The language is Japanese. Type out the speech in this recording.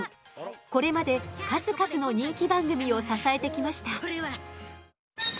これまで数々の人気番組を支えてきました。